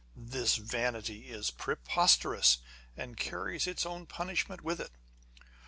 This vanity is preposterous, and carries its own punishment with it.